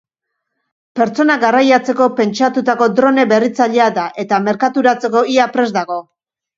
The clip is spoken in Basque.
Pertsonak garraiatzeko pentsatutako drone berritzailea da eta merkaturatzeko ia prest dago.